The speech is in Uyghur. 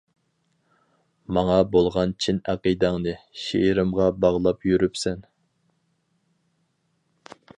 ماڭا بولغان چىن ئەقىدەڭنى، شېئىرىمغا باغلاپ يۈرۈپسەن.